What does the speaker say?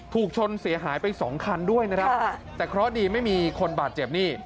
ถูกชนเสียหายไปสองคันด้วยนะครับแต่เคราะห์ดีไม่มีคนบาดเจ็บนี่